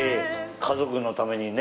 家族のためにね